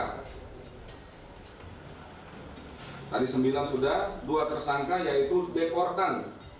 tadi sembilan sudah dua tersangka yaitu deportan